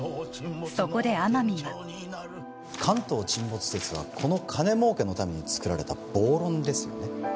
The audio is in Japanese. そこで天海は関東沈没説はこの金儲けのためにつくられた暴論ですよね